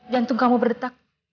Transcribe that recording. jantung kamu berdetak